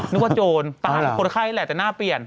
นึกว่าโจรตามคนไข้แหละแต่หน้าเปลี่ยน